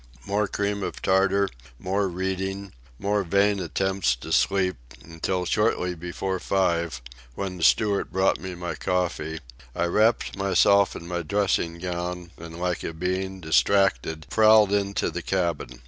More cream of tartar, more reading, more vain attempts to sleep, until shortly before five, when the steward brought me my coffee, I wrapped myself in my dressing gown, and like a being distracted prowled into the cabin.